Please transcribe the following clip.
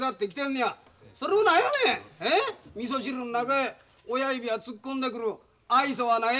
みそ汁ん中へ親指は突っ込んでくる愛想はない。